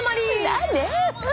何で！